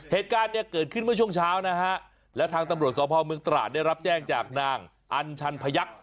เหตุการณ์เนี่ยเกิดขึ้นเมื่อช่วงเช้านะฮะแล้วทางตำรวจสพเมืองตราดได้รับแจ้งจากนางอัญชันพยักษ์